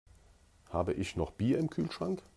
Habe ich noch Bier im Kühlschrank?